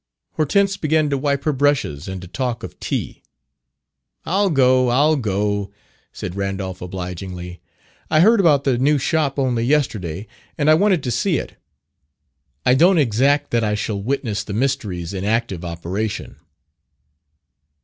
Hortense began to wipe her brushes and to talk of tea. "I'll go, I'll go," said Randolph obligingly. "I heard about the new shop only yesterday, and I wanted to see it. I don't exact that I shall witness the mysteries in active operation."